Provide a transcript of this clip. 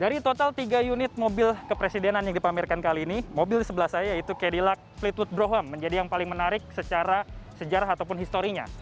dari total tiga unit mobil kepresidenan yang dipamerkan kali ini mobil di sebelah saya yaitu cadilac flitwood broham menjadi yang paling menarik secara sejarah ataupun historinya